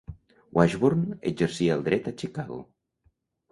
Washburne exercia el dret a Chicago.